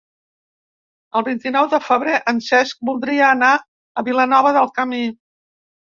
El vint-i-nou de febrer en Cesc voldria anar a Vilanova del Camí.